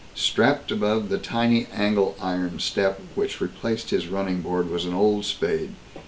Strapped above the tiny angle iron step which replaced his running board was an old spade.